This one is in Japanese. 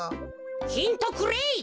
ヒントくれい！